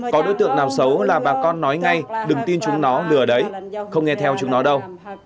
có đối tượng nào xấu là bà con nói ngay đừng tin chúng nó lừa đấy không nghe theo chúng nó đâu